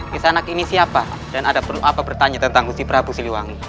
kisah anak ini siapa dan ada perlu apa bertanya tentang gusti prabu siliwangi